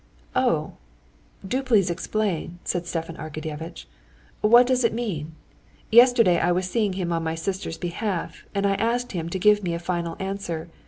"Oh, do please explain," said Stepan Arkadyevitch; "what does it mean? Yesterday I was seeing him on my sister's behalf, and I asked him to give me a final answer.